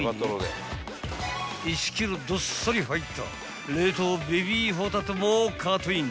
［１ｋｇどっさり入った冷凍ベビーホタテもカートイン］